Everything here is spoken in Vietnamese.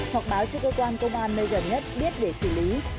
hoặc báo cho cơ quan công an nơi gần nhất biết để xử lý